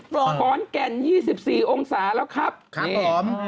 ขอนแก่น๒๔องศาแล้วครับครับผม